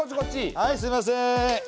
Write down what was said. はいすいません。